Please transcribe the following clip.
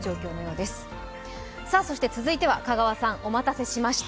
そして続いては香川さん、お待たせしました。